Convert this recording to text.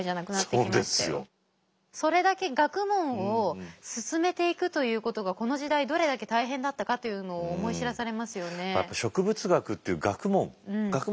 それだけ学問を進めていくということがこの時代どれだけ大変だったかというのを思い知らされますよね。